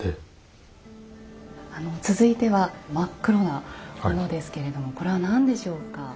続いては真っ黒なものですけれどもこれは何でしょうか？